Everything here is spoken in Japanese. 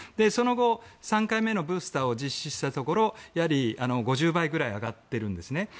その後、３回目のブースターを実施したところやはり５０倍ぐらい上がっているんですね。